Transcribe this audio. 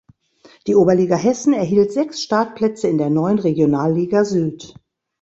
Die Oberliga Hessen erhielt sechs Startplätze in der neuen Regionalliga Süd.